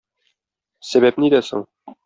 Сәбәп нидә соң?